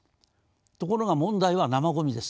ところが問題は生ごみです。